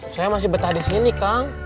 saya masih betah disini kang